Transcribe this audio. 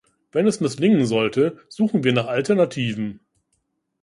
Wenn es misslingen sollte, suchen wir nach Alternativen.